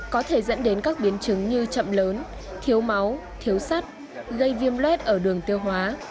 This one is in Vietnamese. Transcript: có thể dẫn đến các biến chứng như chậm lớn thiếu máu thiếu sắt gây viêm lết ở đường tiêu hóa